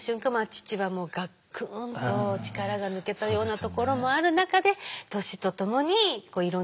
父はガックンと力が抜けたようなところもある中で年とともにいろんなところにねっ